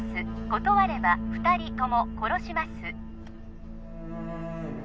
断れば２人とも殺します